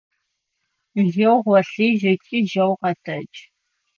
Жьэу гъолъыжь ыкӏи жьэу къэтэдж!